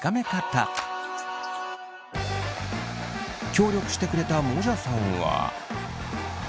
協力してくれたもじゃさんは。